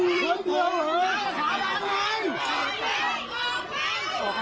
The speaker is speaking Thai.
สมัยไม่เรียกหวังผม